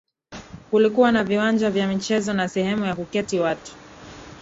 Kulikuwa na viwanja vya michezo na sehemu ya kuketi watu